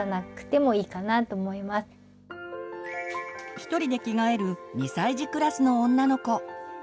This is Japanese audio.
ひとりで着替える２歳児クラスの女の子。